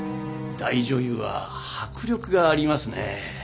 大女優は迫力がありますね。